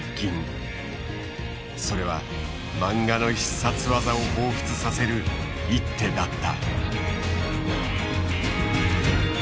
それは漫画の必殺技をほうふつさせる一手だった。